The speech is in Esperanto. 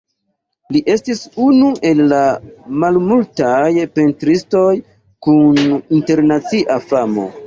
Li estis unu el la malmultaj pentristoj kun internacia famo.